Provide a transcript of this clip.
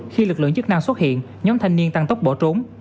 khi lực lượng chức năng xuất hiện nhóm thanh niên tăng tốc bỏ trốn